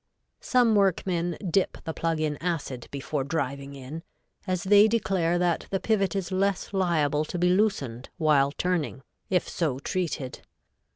Some workmen dip the plug in acid before driving in, as they declare that the pivot is less liable to be loosened while turning, if so treated.